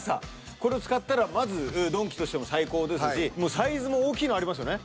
これを使ったらまず鈍器としても最高ですしサイズも大きいのありますよね。